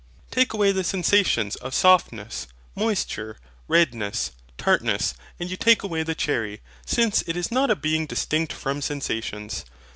Take away the sensations of softness, moisture, redness, tartness, and you take away the cherry, since it is not a being distinct from sensations.